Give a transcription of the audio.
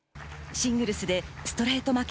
シングルスでストレート負け